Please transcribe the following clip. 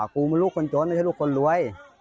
กูมันลูกคนจนไม่ใช่ลูกคนรวย